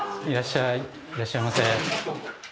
いらっしゃいませ。